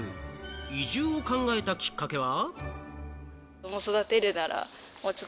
移住を考えたきっかけは。